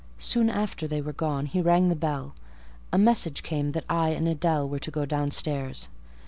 Soon after they were gone he rang the bell: a message came that I and Adèle were to go downstairs.